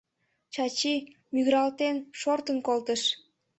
— Чачи, мӱгыралтен, шортын колтыш.